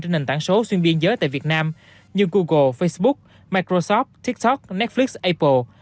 trên nền tảng số xuyên biên giới tại việt nam như google facebook microsoft tiktok netflix apple